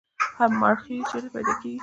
مرخیړي چیرته پیدا کیږي؟